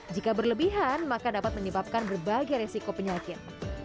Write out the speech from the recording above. jika berlebihan maka dapat menyebabkan berbagai resiko penyakit